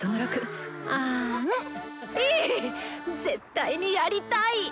絶対にやりたい！